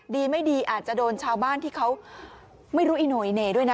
ดีไม่ดีอาจจะโดนชาวบ้านที่เขาไม่รู้อีโนอิเน่ด้วยนะ